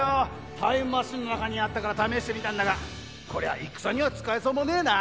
タイムマシンの中にあったから試してみたんだがこりゃ戦には使えそうもねえな。